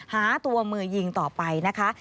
หาตัวมือยิงต่อไปนะคะ